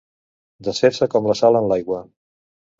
Desfer-se com la sal en l'aigua.